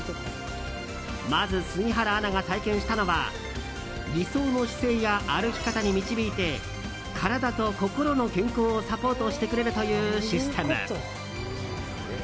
まず、杉原アナが体験したのは理想の姿勢や歩き方に導いて体と心の健康をサポートしてくれるというシステム。